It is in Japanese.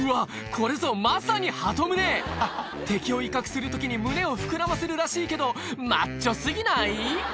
これぞまさにハト胸！敵を威嚇する時に胸を膨らませるらしいけどマッチョ過ぎない？